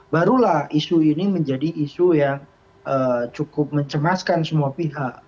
barulah isu ini menjadi isu yang cukup mencemaskan semua pihak